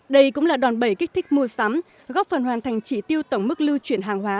đây cũng là đòn bẩy kích thích mua sắm góp phần hoàn thành chỉ tiêu tổng mức lưu chuyển hàng hóa